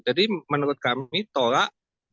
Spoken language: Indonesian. jadi menurut kami tolak